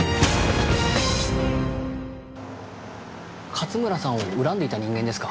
勝村さんを恨んでいた人間ですか？